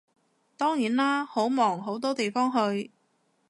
當然啦，好忙好多地方去